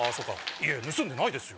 いや盗んでないですよ。